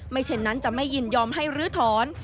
เช่นนั้นจะไม่ยินยอมให้ลื้อถอน